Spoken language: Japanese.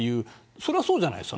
それはそうじゃないですか。